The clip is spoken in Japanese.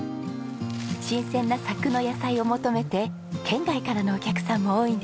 新鮮な佐久の野菜を求めて県外からのお客さんも多いんですよ。